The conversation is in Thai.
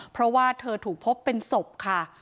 เพราะว่าเธอถูกพบเป็นศพค่ะ